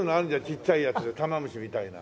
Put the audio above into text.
ちっちゃいやつでタマムシみたいな。